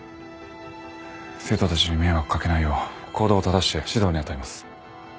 生徒たちに迷惑掛けないよう行動を正して指導に当たります。